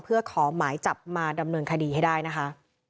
เพื่อขอหมายจับมาดำเนินคดีให้ได้นะคะ